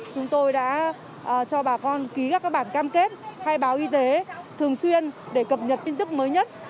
chúng tôi đã cho bà con ký các bản cam kết khai báo y tế thường xuyên để cập nhật tin tức mới nhất